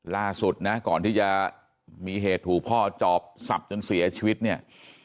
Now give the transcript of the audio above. ล่าสุดนะก่อนที่จะมีเหตุถูกพ่อจอบสับจนเสียชีวิตเนี่ย